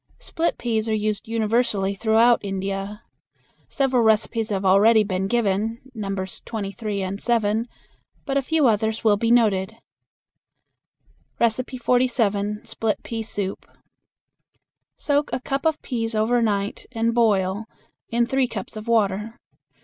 Split peas are used universally throughout India. Several recipes have already been given (Nos. 23 and 7), but a few others will be noted. 47. Split Pea Soup. Soak a cup of peas over night and boil in three cups of water.